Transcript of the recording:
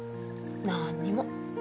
何にも。